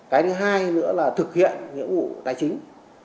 cái thứ hai nữa là thực hiện nghĩa vụ tài chính